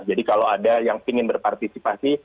jadi kalau ada yang ingin berpartisipasi